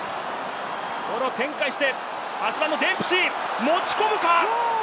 ボールを展開して、８番のデンプシー、持ち込むか？